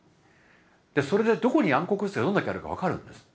それでどこに暗黒物質がどんだけあるか分かるんです。